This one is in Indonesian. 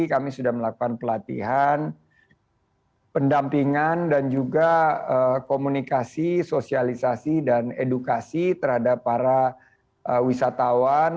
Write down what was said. kami sudah melakukan pelatihan pendampingan dan juga komunikasi sosialisasi dan edukasi terhadap para wisatawan